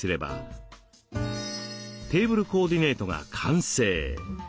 テーブルコーディネートが完成。